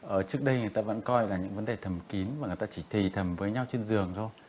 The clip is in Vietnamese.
ở trước đây người ta vẫn coi là những vấn đề thầm kín và người ta chỉ thề thầm với nhau trên giường thôi